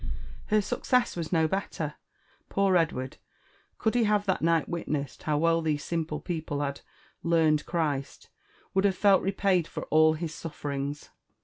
Her success was no belter. Poor Edward, could he have that night witnessed how well these simple people had '' learned Christ," would have felt repaid for all his sufferings!